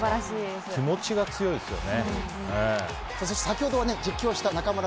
気持ちが強いですよね。